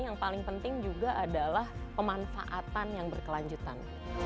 yang paling penting juga adalah pemanfaatan yang berkelanjutan